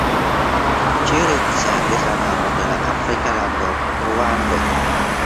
Ĝi ricevis la nomon de la afrika lando Ruando.